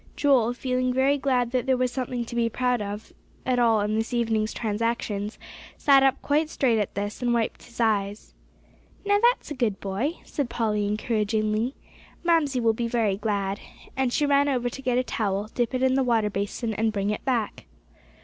Joel, feeling very glad that there was something to be proud of at all in this evening's transactions, sat up quite straight at this, and wiped his eyes. "Now that's a good boy," said Polly encouragingly. "Mamsie will be very glad." And she ran over to get a towel, dip it in the water basin, and bring it back.